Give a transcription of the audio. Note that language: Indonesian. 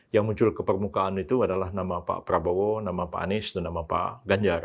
yang muncul ke permukaan itu adalah nama pak prabowo nama pak anies dan nama pak ganjar